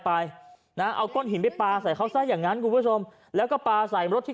ไปนะเอาก้อนหินไปปลาใส่เขาซะอย่างนั้นคุณผู้ชมแล้วก็ปลาใส่รถที่